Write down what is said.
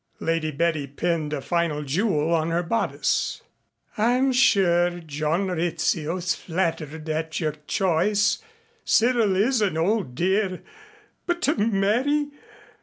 Lady Betty pinned a final jewel on her bodice. "I'm sure John Rizzio is flattered at your choice. Cyril is an old dear. But to marry!